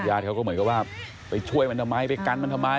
เขาก็เหมือนกับว่าไปช่วยมันทำไมไปกันมันทำไม